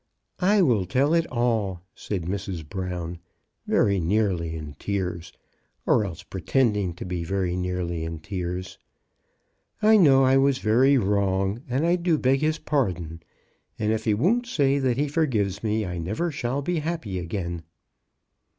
"I will tell it all," said Mrs. Brown, very nearly in tears, or else pretending to be very nearly in tears. I know I was very wrong, and I do beg his pardon ; and if he won't say that he forgives me, I never shall be happy again."